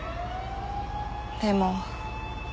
でも。